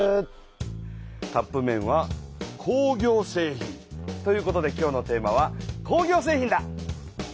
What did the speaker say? カップめんは工業製品。ということで今日のテーマは「工業製品」だ。